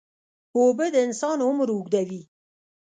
اوبه د انسان عمر اوږدوي.